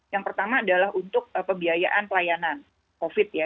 yang pertama adalah untuk pembiayaan pelayanan covid ya